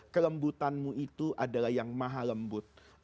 kelembutanmu itu adalah yang maha lembut